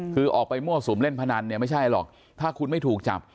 คือออกไปมั่วสุมเล่นพนันเนี่ยไม่ใช่หรอกถ้าคุณไม่ถูกจับ